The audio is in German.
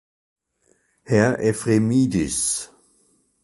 Herr Ephremidis!